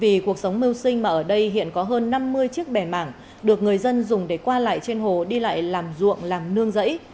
vì cuộc sống mưu sinh mà ở đây hiện có hơn năm mươi chiếc bè mảng được người dân dùng để qua lại trên hồ đi lại làm ruộng làm nương rẫy